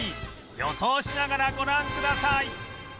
予想しながらご覧ください